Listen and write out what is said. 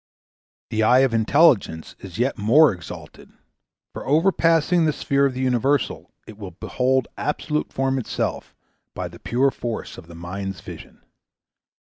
The eye of Intelligence is yet more exalted; for overpassing the sphere of the universal, it will behold absolute form itself by the pure force of the mind's vision.